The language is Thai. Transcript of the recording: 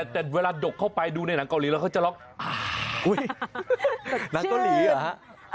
แต่เวลาดกเข้าไปดูในหนังเกาหลีแล้วเขาจะล็อกอุ๊ยหนังเกาหลีเหรอฮะ